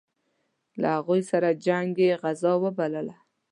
له هغوی سره جنګ یې غزا وبلله.